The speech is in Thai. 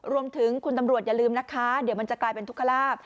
รวมถึงคุณตำรวจอย่าลืมนะคะเดี๋ยวมันจะกลายเป็นทุกขลาบ